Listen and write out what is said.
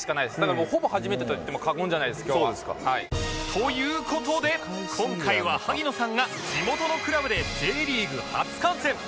という事で今回は萩野さんが地元のクラブで Ｊ リーグ初観戦